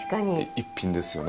逸品ですよね。